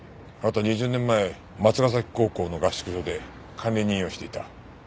２０年前松ヶ崎高校の合宿所で管理人をしていた。